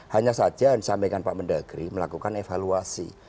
dan disampaikan pak mendagri melakukan evaluasi